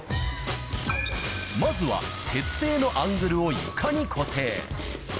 まずは、鉄製のアングルを床に固定。